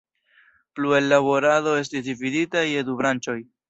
Plua ellaborado estis dividita je du branĉoj.